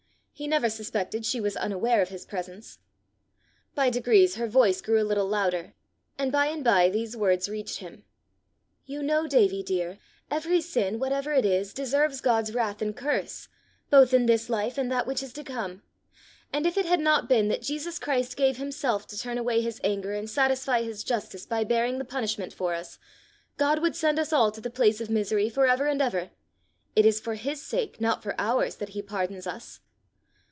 He never suspected she was unaware of his presence. By degrees her voice grew a little louder, and by and by these words reached him: "You know, Davie dear, every sin, whatever it is, deserves God's wrath and curse, both in this life and that which is to come; and if it had not been that Jesus Christ gave himself to turn away his anger and satisfy his justice by bearing the punishment for us, God would send us all to the place of misery for ever and ever. It is for his sake, not for ours, that he pardons us."